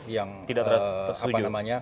yang tidak tersetuju